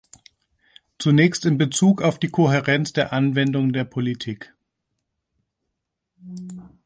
Zunächst in bezug auf die Kohärenz der Anwendung der Politik.